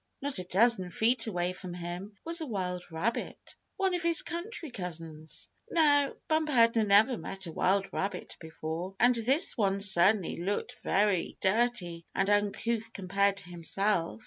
Not a dozen feet away from him was a wild rabbit, one of his country cousins. Now, Bumper had never met a wild rabbit before, and this one certainly looked very dirty and uncouth compared to himself.